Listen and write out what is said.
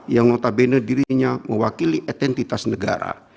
yang notabene dirinya mewakili etentitas negara